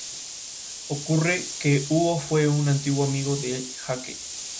Ocurre que Hugo fue un antiguo amigo de Jake.